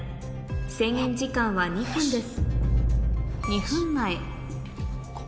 制限時間は２分です